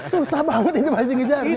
susah banget itu masih ngejarnya